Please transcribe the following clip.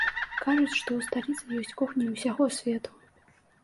Кажуць, што ў сталіцы ёсць кухні ўсяго свету.